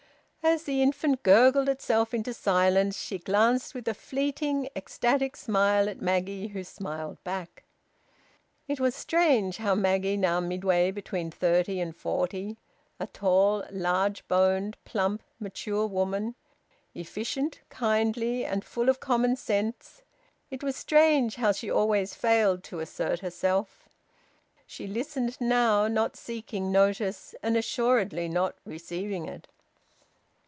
As the infant gurgled itself into silence, she glanced with a fleeting ecstatic smile at Maggie, who smiled back. It was strange how Maggie, now midway between thirty and forty, a tall, large boned, plump, mature woman, efficient, kindly, and full of common sense it was strange how she always failed to assert herself. She listened now, not seeking notice and assuredly not receiving it.